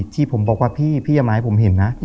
ที่ผมบอกว่าพี่อย่ามาให้ผมเห็นนะ